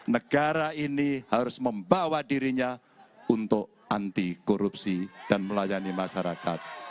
negara ini harus membawa dirinya untuk anti korupsi dan melayani masyarakat